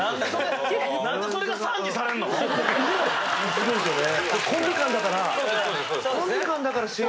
すごいっすよね